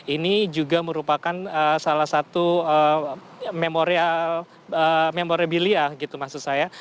ini juga merupakan salah satu memoribilia gitu maksud saya